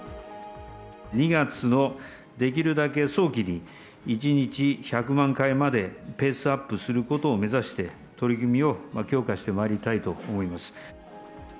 ２月のできるだけ早期に、１日１００万回までペースアップすることを目指して、取り組みを強化してまいりたいと思います。